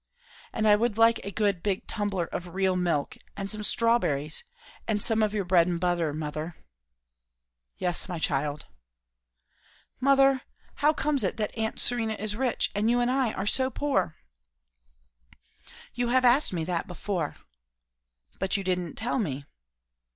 "And I would like a good big tumbler of real milk, and some strawberries, and some of your bread and butter, mother." "Yes, my child." "Mother, how comes it that aunt Serena is rich, and you and I are so poor?" "You have asked me that before." "But you didn't tell me."